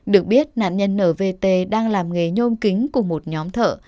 được biết nạn nhân nvt đang làm nghề nhôm kính cùng một nhóm thợ